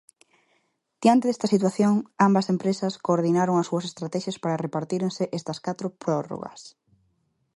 "Diante desta situación", ambas empresas "coordinaron as súas estratexias para repartírense estas catro prórrogas".